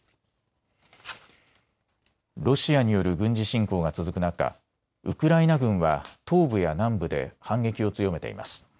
ロシアによる軍事侵攻が続く中、ウクライナ軍は東部や南部で反撃を強めています。